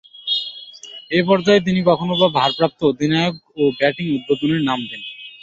এ পর্যায়ে তিনি কখনোবা ভারপ্রাপ্ত অধিনায়ক ও ব্যাটিং উদ্বোধনে নামতেন।